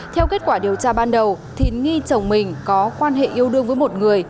theo kết quả điều tra ban đầu thì nghi chồng mình có quan hệ yêu đương với một người